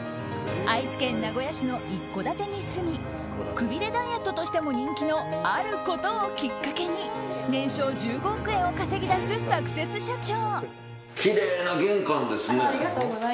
愛知県名古屋市の一戸建てに住みくびれダイエットとしても人気のあることをきっかけに年商１５億円を稼ぎ出すサクセス社長。